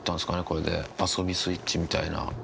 これで遊びスイッチみたいな。